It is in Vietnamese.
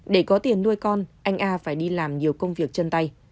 để có tiền nuôi con anh a phải đi làm nhiều công việc chân tay